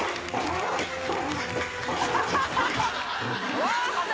「うわ。